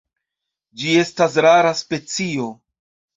Ĝi estas rara specio.